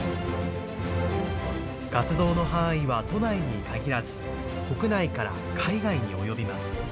活動の範囲は都内に限らず国内から海外に及びます。